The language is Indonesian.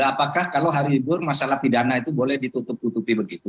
apakah kalau hari libur masalah pidana itu boleh ditutup tutupi begitu